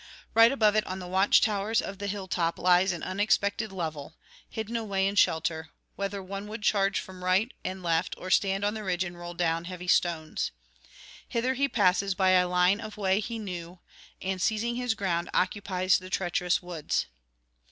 Right above it on the watch towers of the hill top lies an unexpected level, hidden away in shelter, whether one would charge from right and left or stand on the ridge and roll down heavy stones. Hither he passes by a line of way he knew, and, seizing his ground, occupies the treacherous woods.